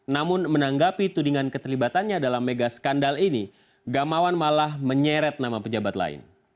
namun menanggapi tudingan keterlibatannya dalam mega skandal ini gamawan malah menyeret nama pejabat lain